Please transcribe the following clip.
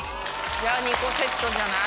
じゃあ２個セットじゃない？